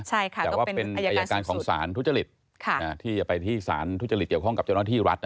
แต่ว่าเป็นอายการของสารทุจริตที่จะไปที่สารทุจริตเกี่ยวข้องกับเจ้าหน้าที่รัฐ